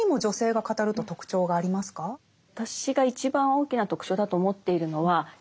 私が一番大きな特徴だと思っているのは身体性ですね。